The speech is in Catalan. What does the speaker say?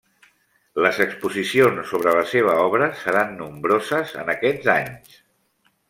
Les exposicions sobre la seva obra seran nombroses en aquests anys.